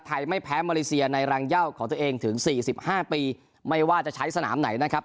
ไม่แพ้มาเลเซียในรังเย่าของตัวเองถึงสี่สิบห้าปีไม่ว่าจะใช้สนามไหนนะครับ